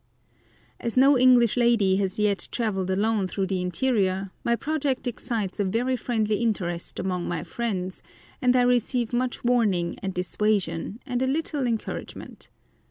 As no English lady has yet travelled alone through the interior, my project excites a very friendly interest among my friends, and I receive much warning and dissuasion, and a little encouragement.